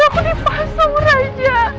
tadi aku dipasung raja